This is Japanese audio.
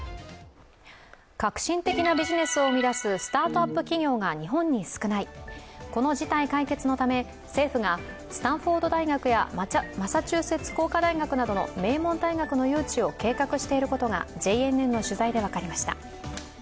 核心的なビジネスを生み出すスタートアップ企業が日本に少ない、この事態解決のため政府がスタンフォード大学やマサチューセッツ工科大学などの名門大学の誘致を計画していることがＪＮＮの取材で分かりました。